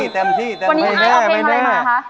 เต็มที่วันนี้อายเอาเพลงอะไรมาคะ